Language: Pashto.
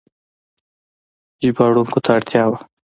ژباړونکو ته اړتیا وه.